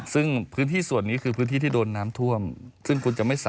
แล้วน้องที่เข้าไปนี่คือทางเข้าถูกไหมฮะ